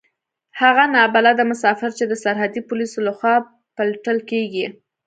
هغه نا بلده مسافر چې د سرحدي پوليسو له خوا پلټل کېږي.